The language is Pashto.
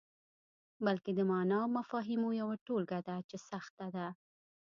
بلکې د معني او مفاهیمو یوه ټولګه ده چې سخته ده.